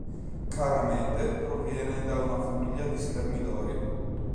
Karamete proviene da una famiglia di schermidori.